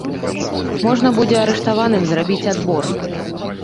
Можна будзе арыштаваным зрабіць адбор.